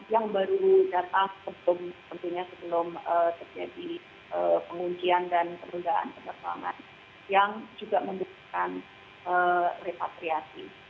yang baru datang sebelum terjadi penguncian dan perlundaan keberkalanan yang juga membutuhkan repatriasi